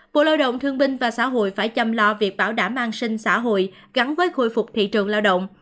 bộ lao động thương binh và xã hội phải chăm lo việc bảo đảm an sinh xã hội gắn với khôi phục thị trường lao động